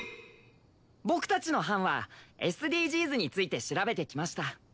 僕たちの班はＳＤＧｓについて調べてきました。